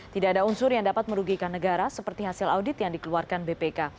tidak ada unsur yang dapat merugikan negara seperti hasil audit yang dikeluarkan bpk